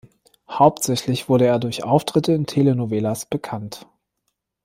Hauptsächlich wurde er durch Auftritte in Telenovelas bekannt.